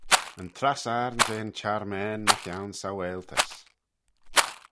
Yn trass ayrn jeh'n çharmane mychione saualtys.